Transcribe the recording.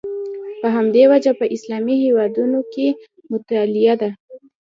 په همدې وجه په اسلامي هېوادونو کې مطالعه ده.